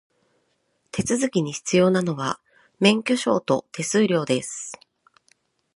手続きに必要なのは、免許証と手数料です。